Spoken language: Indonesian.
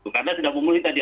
karena sudah memulih tadi